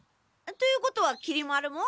ということはきり丸も？